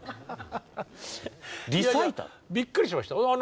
びっくりしました。